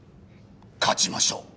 勝ちましょう！